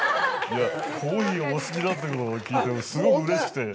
コーヒーお好きだってこと聞いてすごくうれしくて。